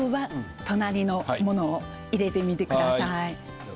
隣のものを入れてみてください。